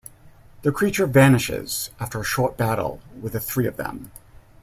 The creature vanishes after a short battle with the three of them.